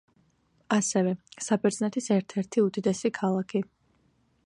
ასევე, საბერძნეთის ერთ-ერთი უდიდესი ქალაქი.